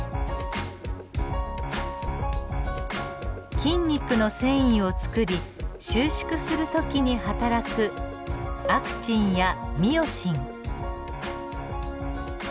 筋肉の繊維をつくり収縮する時に働くアクチンやミオシン。